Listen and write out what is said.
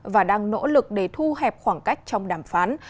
và đang nỗ lực để thu hẹp khoảng cách trong đàm phán